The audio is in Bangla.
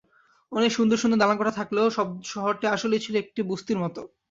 অনেক সুন্দর সুন্দর দালানকোঠা থাকলেও শহরটি আসলেই ছিল একটি বস্তির মতো।